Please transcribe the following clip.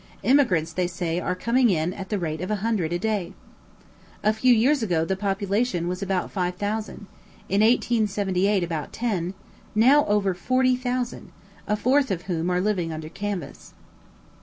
Emigrants, they say, are coming in at the rate of a hundred a day. A few years ago the population was about five thousand, in 1878 about ten, now over forty thousand, a fourth of whom are living under canvas.